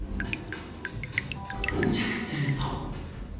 到着すると。